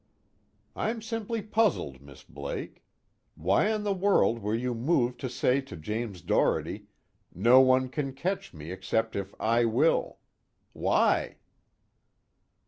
I'm simply puzzled, Miss Blake. Why in the world were you moved to say to James Doherty: 'No one can catch me except if I will' why?"